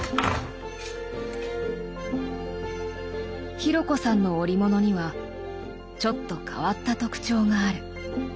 紘子さんの織物にはちょっと変わった特徴がある。